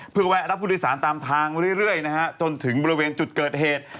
เพื่อแวะรับพุทธศาลตามทางเรื่อยจนถึงบริเวณจุดเกิดเหตุ